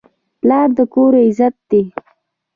پلار د کور عزت دی.